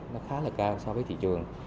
nó khá là cao so với thị trường